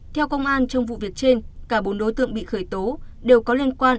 theo công an trong vụ việc trên cả bốn đối tượng bị khởi tố đều có liên quan